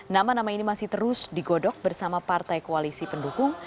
nama nama ini masih terus digodok bersama partai koalisi pendukung